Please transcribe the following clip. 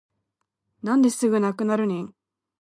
なんですぐなくなるねん